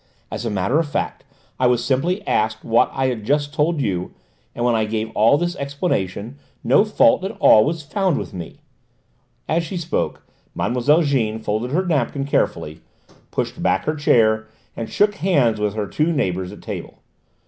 As a matter of fact I was simply asked what I have just told you, and when I gave all this explanation, no fault at all was found with me." As she spoke, Mlle. Jeanne folded her napkin carefully, pushed back her chair and shook hands with her two neighbours at table.